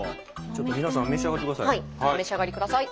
ちょっと皆さん召し上がってください。